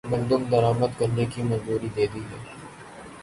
گندم درآمدکرنے کی منظوری دےدی ہے